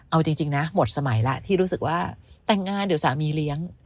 เอาจริงนะหมดสมัยแล้วที่รู้สึกว่าแต่งงานเดี๋ยวสามีเลี้ยง